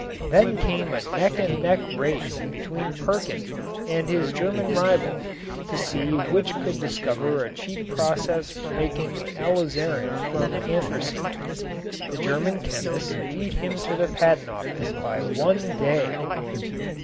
Then came a neck and neck race between Perkin and his German rivals to see which could discover a cheap process for making alizarin from anthracene. The German chemists beat him to the patent office by one day!